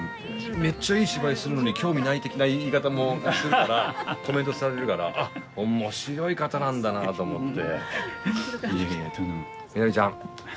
めっちゃいい芝居するのに興味ない的な言い方もするからコメントされるから面白い方なんだなと思って。